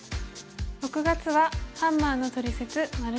６月は「ハンマーのトリセツ③」。